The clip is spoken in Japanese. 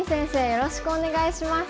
よろしくお願いします。